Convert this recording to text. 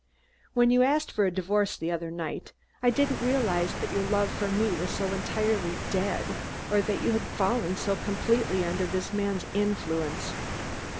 When you asked for a divorce the other night, I didn't realize that your love for me was so entirely dead, or that you had fallen so completely under this man's influence.